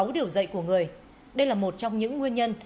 sáu điều dạy của người đây là một trong những nguyên nhân